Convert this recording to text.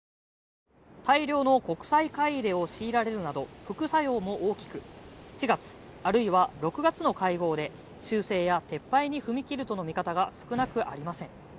大量の国債買い入れを強いられるなど、副作用も大きく、４月あるいは６月の会合で修正や撤廃に踏み切るとの見方が少なくありません。